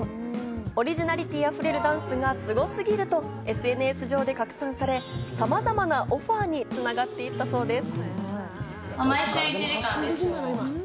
オリジナリティーあふれるダンスがすごすぎるとＳＮＳ上で拡散され、様々なオファーに繋がっていったそうです。